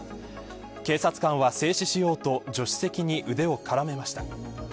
警察官は制止しようと助手席に腕をからめました。